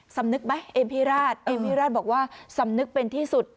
สำนึกไหมเอมพิราชเอมพิราชบอกว่าสำนึกเป็นที่สุด